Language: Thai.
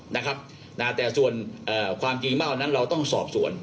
นะครับนะแต่ส่วนเอ่อความจริงมากนั้นเราต้องสอบส่วน